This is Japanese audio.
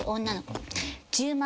女の子。